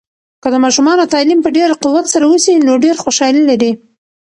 که د ماشومانو تعلیم په ډیر قوت سره وسي، نو ډیر خوشحالي لري.